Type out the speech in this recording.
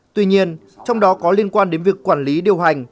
tuy nhiên trong đó có liên quan đến việc quản lý điều hành